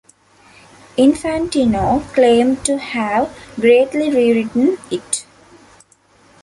Infantino claimed to have greatly rewritten it.